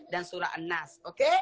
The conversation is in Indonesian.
dan surat nas